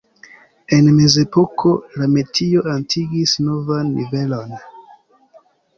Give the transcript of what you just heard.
En Mezepoko la metio atingis novan nivelon.